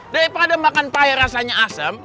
daripada makan payah rasanya asem